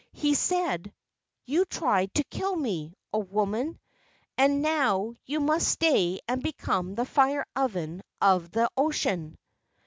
He said, "You tried to kill me, O woman, and now you must stay and become the fire oven of the ocean."